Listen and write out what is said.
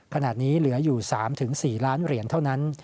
ขณะนี้เหลืออยู่๓๔ล้านเหรียญเท่านั้น